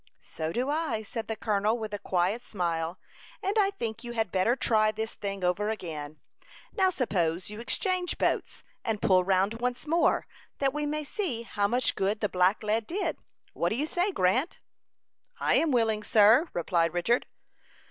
"So do I," said the colonel, with a quiet smile, "and I think you had better try this thing over again. Now, suppose you exchange boats, and pull round once more, that we may see how much good the black lead did. What do you say, Grant?" "I am willing, sir," replied Richard.